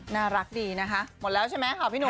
น่ารักดีนะคะหมดแล้วใช่ไหมค่ะพี่หนุ่ม